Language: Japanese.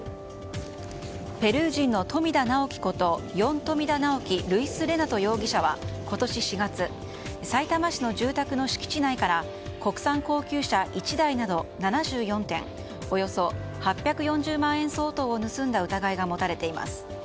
ペルー人の富田ナオキことヨン・トミダ・ナオキ・ルイス・レナト容疑者は今年４月さいたま市の住宅の敷地内から国産高級車１台など７４点およそ８４０万円相当を盗んだ疑いが持たれています。